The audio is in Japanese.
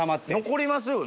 残りますよね？